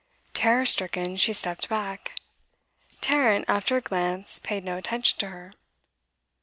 Terror stricken, she stepped back. Tarrant, after a glance, paid no attention to her.